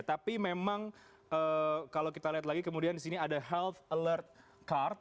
tapi memang kalau kita lihat lagi kemudian di sini ada health alert card